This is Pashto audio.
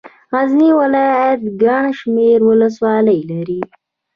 غزني ولايت ګڼ شمېر ولسوالۍ لري.